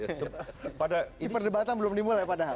ini perdebatan belum dimulai padahal